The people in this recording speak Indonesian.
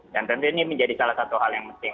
dan tentu ini menjadi salah satu hal yang penting